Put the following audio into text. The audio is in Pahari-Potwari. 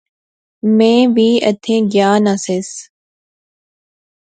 میں وی ایتھیں گیا نا سیس